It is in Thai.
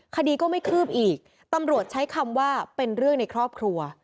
คดีก็ไม่คืบอีกตำรวจใช้คำว่าเป็นเรื่องในครอบครัว